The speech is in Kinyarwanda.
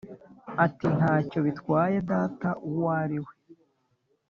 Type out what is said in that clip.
ati: “ntacyo bitwaye data uwo ari we;